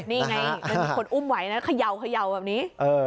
นี่ไงเป็นคนอุ้มไหวนะเขย่าแบบนี้